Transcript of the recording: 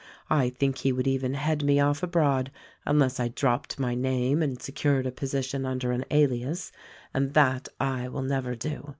I think he would even head me off abroad — unless I dropped my name and secured a position under an alias, and that I will never do.